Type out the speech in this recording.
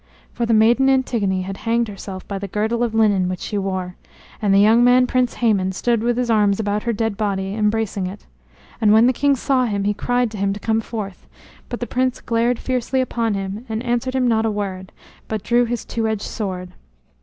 For the maiden Antigone had hanged herself by the girdle of linen which she wore, and the young man Prince Hæmon stood with his arms about her dead body, embracing it. And when the king saw him, he cried to him to come forth; but the prince glared fiercely upon him and answered him not a word, but drew his two edged sword.